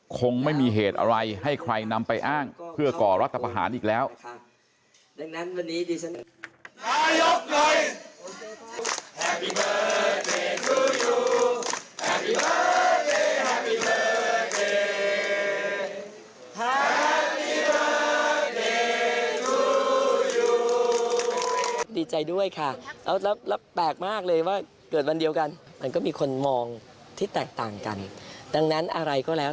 คงไม่มีเหตุอะไรให้ใครนำไปอ้างเพื่อก่อรัฐประหารอีกแล้ว